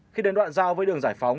khi đến đoạn giao với đường giải phóng